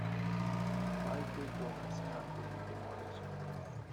Five Big Donuts have been demolished.